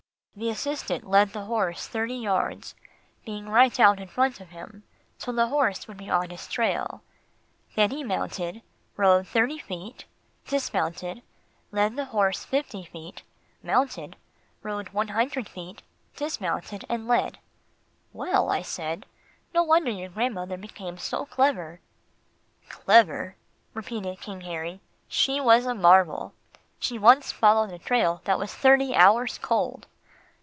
"The assistant led the horse thirty yards, being right out in front of him, so the horse would be on his trail, then he mounted, rode thirty feet, dismounted, led the horse fifty feet, mounted, rode one hundred feet, dismounted and led." "Well," I said, "no wonder your grandmother became so clever." "Clever," repeated King Harry, "she was a marvel. She once followed a trail that was thirty hours cold."